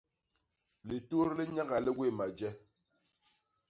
Litut li nyaga li gwéé maje.